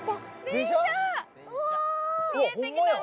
電車見えてきたね！